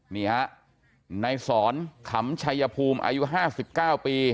นี่ฮะในสอนขำชัยภูมิอายุ๕๙ปี